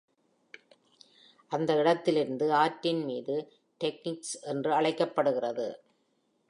அந்த இடத்திலிருந்து ஆற்றின் மீது ரெக்னிட்ஸ் என்று அழைக்கப்படுகிறது.